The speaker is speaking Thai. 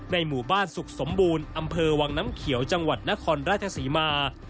หมู่บ้านสุขสมบูรณ์อำเภอวังน้ำเขียวจังหวัดนครราชศรีมา